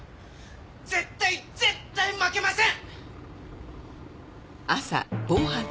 絶対絶対負けません！